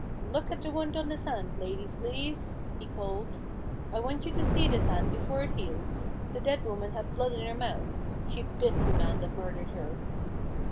" Look at the wound on this hand, ladies, please !" he called ;" I want you to see this hand before it heals. The dead woman had blood in her mouth. She bit the man that murdered her."